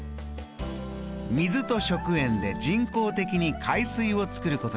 水と食塩で人工的に海水を作ることにしました。